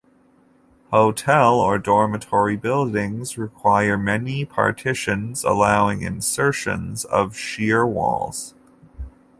Hotel or dormitory buildings require many partitions, allowing insertions of shear walls.